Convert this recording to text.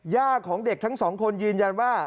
ของเด็กทั้งสองคนยืนยันว่า